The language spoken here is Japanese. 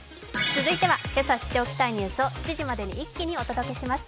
続いてはけさ知っておきたいニュースをまとめてお届けします。